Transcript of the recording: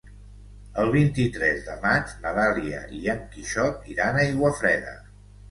El vint-i-tres de maig na Dàlia i en Quixot iran a Aiguafreda.